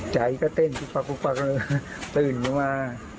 ใจก็เต้นปลักตื่นขึ้นมา